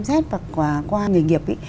quan sát và qua nghề nghiệp ý